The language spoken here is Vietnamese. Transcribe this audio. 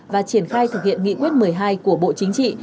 và triển khai thực hiện nghị quyết một mươi hai của bộ chính trị